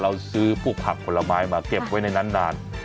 เราซื้อพวกผักผลไม้มาเก็บไว้ในนั้นนาน